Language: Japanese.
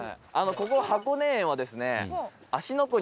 「ここ箱根園はですね芦ノ